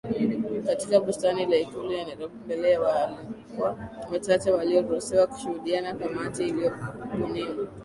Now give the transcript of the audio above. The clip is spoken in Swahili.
katika Bustani ya Ikulu ya Nairobi mbele ya waalikwa wachache walioruhusiwa kushuhudiaKamati iliyobuniwa